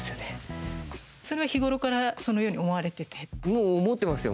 もう思っていますよ。